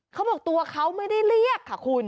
เขาบอกตัวเขาไม่ได้เรียกค่ะคุณ